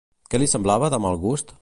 Què li semblava de mal gust?